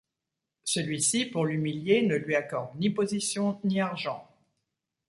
Celui-ci, pour l’humilier, ne lui accorde ni position ni argent.